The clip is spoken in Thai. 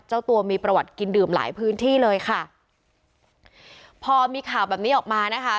เจ้าตัวมีประวัติกินดื่มหลายพื้นที่เลยค่ะพอมีข่าวแบบนี้ออกมานะคะ